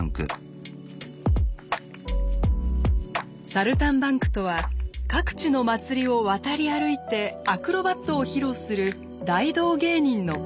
サルタンバンクとは各地の祭りを渡り歩いてアクロバットを披露する大道芸人のこと。